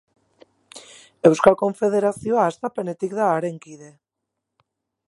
Euskal Konfederazioa hastapenetik da haren kide.